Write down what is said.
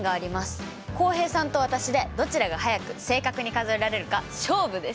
浩平さんと私でどちらが速く正確に数えられるか勝負です。